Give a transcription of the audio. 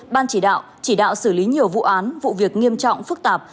ban chỉ đạo chỉ đạo xử lý nhiều vụ án vụ việc nghiêm trọng phức tạp